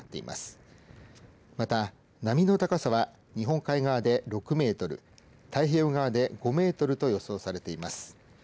また、波の高さは日本海側で６メートル太平洋側で５メートルと予想されています。